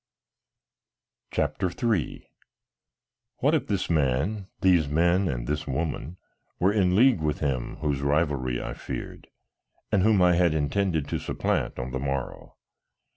CHAPTER III What if this man, these men and this woman, were in league with him whose rivalry I feared, and whom I had intended to supplant on the morrow.